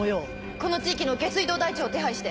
この地域の下水道台帳を手配して。